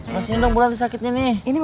masih nunggu lah sakitnya nih